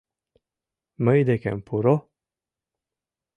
— Мый декем пуро!